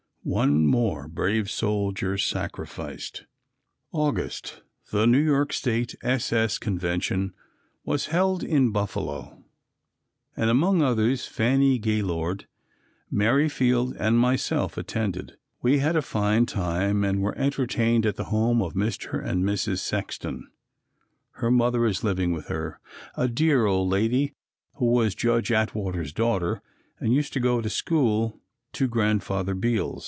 One more brave soldier sacrificed. August. The New York State S. S. Convention was held in Buffalo and among others Fanny Gaylord, Mary Field and myself attended. We had a fine time and were entertained at the home of Mr. and Mrs. Sexton. Her mother is living with her, a dear old lady who was Judge Atwater's daughter and used to go to school to Grandfather Beals.